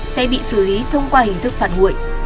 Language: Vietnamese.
sẽ bị xử lý thông qua hình thức phạt nguội